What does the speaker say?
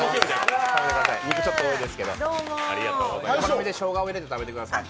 ちょっと多いですけど、お好みでしょうがを入れて食べてください。